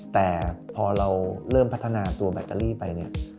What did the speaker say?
แต่พอเราเริ่มพัฒนาตัวแบตเตอรี่ไปเนี่ย